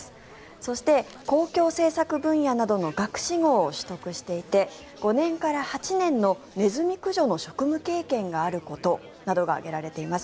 そして、公共政策分野などの学士号を取得していて５年から８年のネズミ駆除の職務経験があることなどが挙げられています。